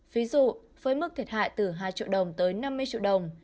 ví dụ với mức thiệt hại từ hai triệu đồng tới năm mươi triệu đồng